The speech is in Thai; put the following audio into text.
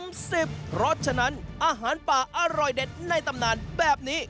เพราะฉะนั้นอาหารป่าอร่อยเด็ดในตำนานแบบนี้